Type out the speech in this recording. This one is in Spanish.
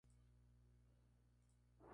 Es un sulfuro simple de calcio, anhidro.